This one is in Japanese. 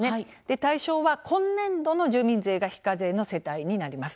対象は今年度の住民税が非課税の世帯になります。